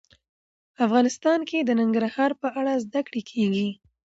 افغانستان کې د ننګرهار په اړه زده کړه کېږي.